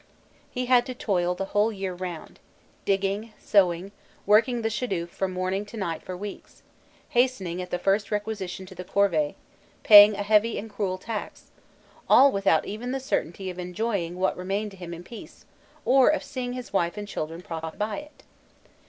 He had to toil the whole year round, digging, sowing, working the shadouf from morning to night for weeks, hastening at the first requisition to the corvée, paying a heavy and cruel tax, all without even the certainty of enjoying what remained to him in peace, or of seeing his wife and children profit by it.